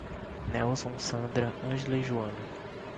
Nélson, Sandra, Ângela e Joana